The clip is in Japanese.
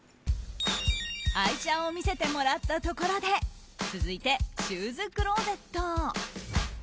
愛車を見せてもらったところで続いてシューズクローゼット。